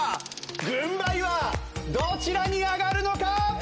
軍配はどちらに上がるのか！？